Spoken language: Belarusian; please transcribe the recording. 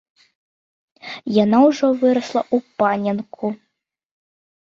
Яна ўжо вырасла ў паненку.